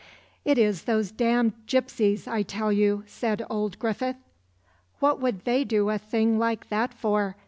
"'It is those damned gipsies, I tell you,' said old Griffith. "'What would they do a thing like that for?